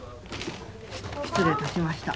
失礼いたしました。